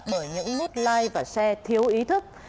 bởi những ngút like và share thiếu ý thức